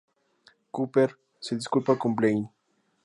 Cooper se disculpa con Blaine.